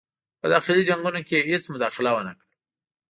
په داخلي جنګونو کې یې هیڅ مداخله ونه کړه.